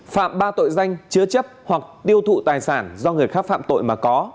phạm ba tội danh chứa chấp hoặc tiêu thụ tài sản do người khác phạm tội mà có